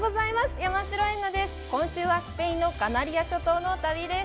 今週はスペインのカナリア諸島の旅です。